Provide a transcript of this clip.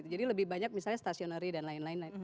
jadi lebih banyak misalnya stasionary dan lain lain